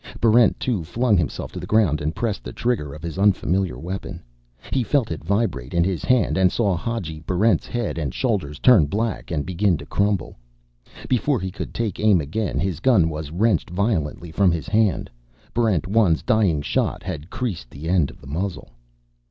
Barrent 2 flung himself to the ground and pressed the trigger of his unfamiliar weapon. He felt it vibrate in his hand and saw Hadji Barrent's head and shoulders turn black and begin to crumble. Before he could take aim again, his gun was wrenched violently from his hand. Barrent 1's dying shot had creased the end of the muzzle.